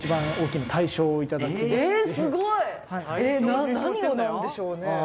何をなんでしょうね？